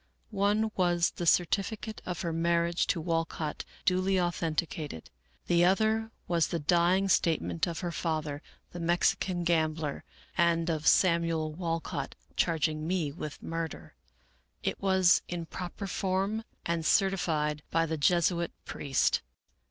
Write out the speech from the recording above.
One was the certificate of her mar riage to Walcott duly authenticated ; the other was the dying statement of her father, the Mexican gambler, and of Sam uel Walcott, charging me with murder. It was in proper form and certified by the Jesuit priest.